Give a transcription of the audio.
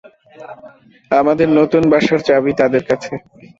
আমাদের নতুন বাসার চাবি তাদের কাছে।